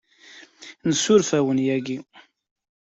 Nessuref-awen yagi.